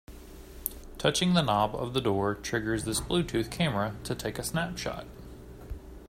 Touching the knob of the door triggers this Bluetooth camera to take a snapshot.